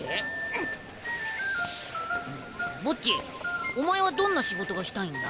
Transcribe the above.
ボッジお前はどんな仕事がしたいんだ？